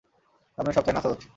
সামনের সপ্তাহে নাসা যাচ্ছি।